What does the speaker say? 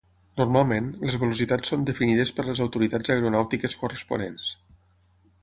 Normalment, les velocitats són definides per les autoritats aeronàutiques corresponents.